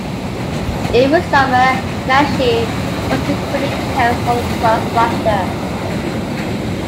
Every summer, "Nashi" runs recruiting camps all across Russia.